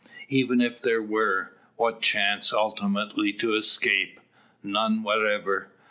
Even if there were, what chance ultimately to escape? None whatever.